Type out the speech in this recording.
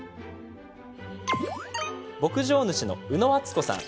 牧場主の宇野敦子さん